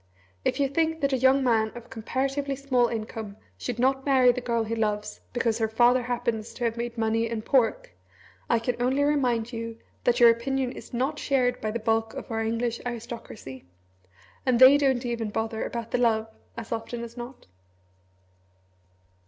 If you think that a young man of comparatively small income should not marry the girl he loves because her father happens to have made money in pork, I can only remind you that your opinion is not shared by the bulk of our English aristocracy. And they don't even bother about the love, as often as not.